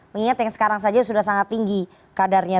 mengingat yang sekarang saja sudah sangat tinggi kadarnya